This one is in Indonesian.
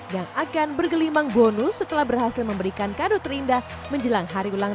yang akan bergelimang bonus setelah berhasil memberikan kado terindah menjelang hari ulang tahun